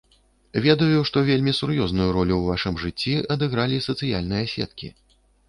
Ведаю, што вельмі сур'ёзную ролю ў вашым жыцці адыгралі сацыяльныя сеткі.